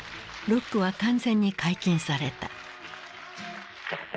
ロックは完全に解禁された。